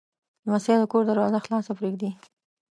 لمسی د کور دروازه خلاصه پرېږدي.